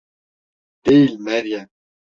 Değil Meryem!